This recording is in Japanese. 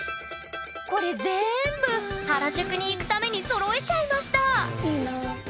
これぜんぶ原宿に行くためにそろえちゃいましたいいな。